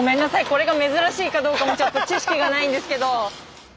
これが珍しいかどうかちょっと知識がないんですけど。